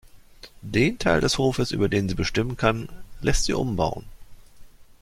Den Teil des Hofes, über den sie bestimmen kann, lässt sie umbauen.